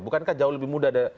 bukankah jauh lebih mudah